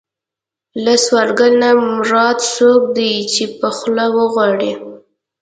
له سوالګر نه مراد څوک دی چې په خوله وغواړي.